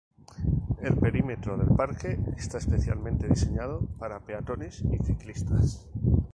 El perímetro del parque está especialmente diseñado para peatones y ciclistas.